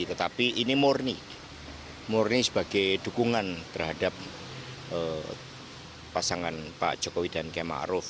tetapi ini murni sebagai dukungan terhadap pasangan pak jokowi dan kema aruf